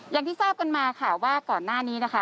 อย่างที่ทราบกันมาค่ะว่าก่อนหน้านี้นะคะ